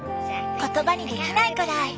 言葉にできないくらい。